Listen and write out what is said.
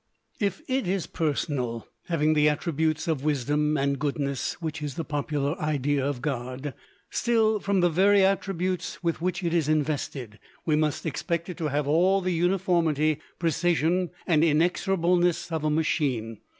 If it is personal, having the attributes of wisdom and goodness which is the popular idea of God still, from the very attributes with which it is invested, we must expect it to have all the uniformity, precision, and inexorableness of a machine.